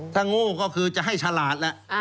ถ้าโง่ก็คือจะให้ฉลาดแหละ